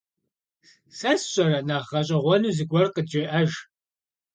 Сэ сщӀэрэ, нэхъ гъэщӀэгъуэну зыгуэр къыджеӀэж.